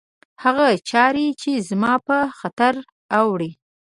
هغه چاري چي زما پر خاطر اوري